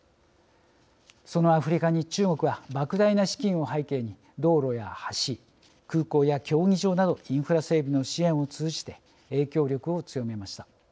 そのアフリカに中国はばく大な資金を背景に道路や橋、空港や競技場などインフラ整備の支援を通じて影響力を強めました。